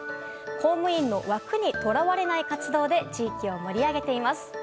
公務員の枠に捉われない活動で地域を盛り上げています。